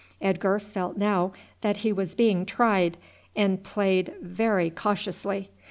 Edgar felt now that he was being tried, and played very cautiously.